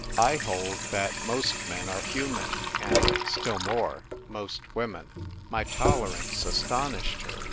I hold that most men are human, and, still more, most women. My tolerance astonished her.